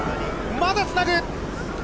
まだつなぐ。